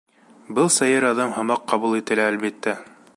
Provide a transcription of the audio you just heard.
— Был сәйер аҙым һымаҡ ҡабул ителә, әлбиттә.